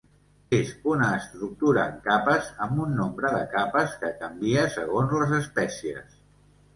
És una estructura en capes, amb un nombre de capes que canvia segons les espècies.